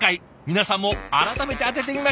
皆さんも改めて当ててみましょう。